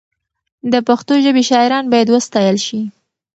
د پښتو ژبې شاعران باید وستایل شي.